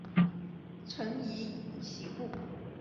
臣疑其故。